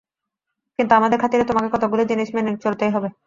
কিন্তু আমাদের খাতিরে তোমাকে কতকগুলো জিনিস মেনে চলতেই হবে।